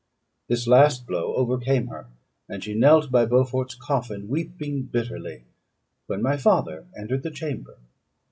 This last blow overcame her; and she knelt by Beaufort's coffin, weeping bitterly, when my father entered the chamber.